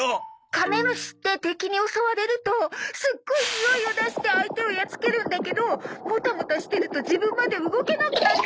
カメムシって敵に襲われるとすっごいにおいを出して相手をやっつけるんだけどもたもたしてると自分まで動けなくなっちゃうの！